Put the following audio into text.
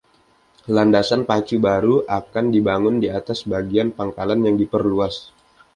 Landasan pacu baru akan dibangun di atas bagian pangkalan yang diperluas.